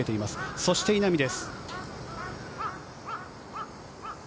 そして、稲見です。